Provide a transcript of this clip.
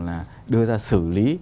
là đưa ra xử lý